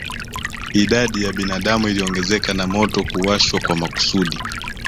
Idadi ya binadamu iliongezeka na moto kuwashwa kwa makusudi